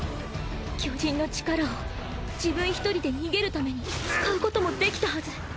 巨人の力を自分一人で逃げるために使うこともできたはず。